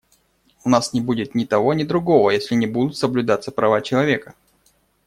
У нас не будет ни того, ни другого, если не будут соблюдаться права человека.